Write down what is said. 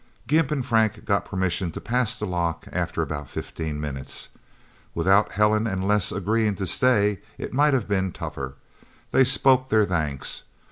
Gimp and Frank got permission to pass the lock after about fifteen minutes. Without Helen and Les agreeing to stay, it might have been tougher. They spoke their thanks.